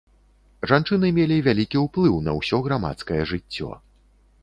Жанчыны мелі вялікі ўплыў на ўсё грамадскае жыццё.